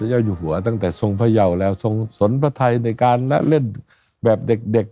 พระเจ้าอยู่หัวตั้งแต่ทรงพเยาว์แล้วทรงสนพเทศในการเล่นแบบเด็ก